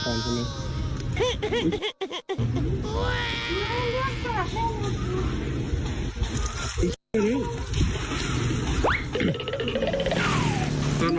เหมือนได้เรื่องสามารถ